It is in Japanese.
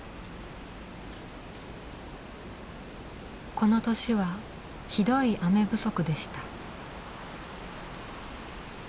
この年はひどい雨不足でした。